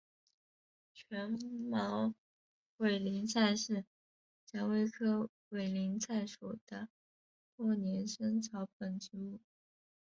腺毛委陵菜是蔷薇科委陵菜属的多年生草本植物。